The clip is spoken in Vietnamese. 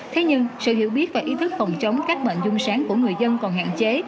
thế nhưng sự hiểu biết và ý thức phòng chống các bệnh dung sáng của người dân còn hạn chế